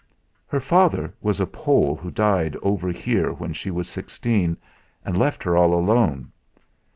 "Her father was a Pole who died over here when she was sixteen, and left her all alone.